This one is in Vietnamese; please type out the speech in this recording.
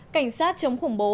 cảnh sát chống khủng bố